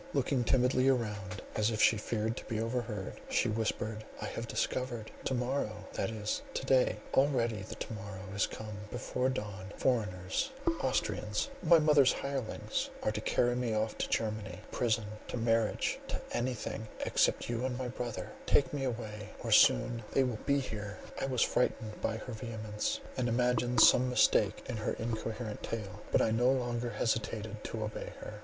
Looking timidly around, as if she feared to be overheard, she whispered: "I have discovered—to morrow —that is, to day—already the to morrow is come—before dawn, foreigners, Austrians, my mother's hirelings, are to carry me off to Germany, to prison, to marriage—to anything, except you and my brother —take me away, or soon they will be here!" I was frightened by her vehemence, and imagined some mistake in her incoherent tale; but I no longer hesitated to obey her.